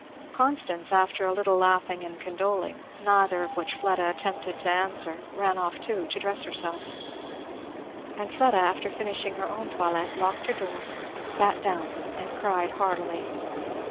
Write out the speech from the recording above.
Constance after a little laughing and condoling, neither of which Fleda attempted to answer, ran off too, to dress herself; and Fleda after finishing her own toilette locked her door, sat down and cried heartily.